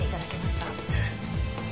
えっ？